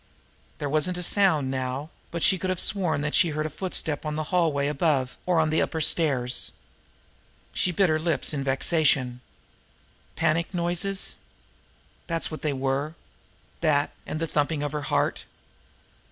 There wasn't a sound now, but she could have sworn she had heard a footstep on the hallway above, or on the upper stairs. She bit her lips in vexation. Panic noises! That's what they were! That, and the thumping of her heart!